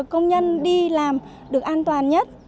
công nhân đi làm được an toàn nhất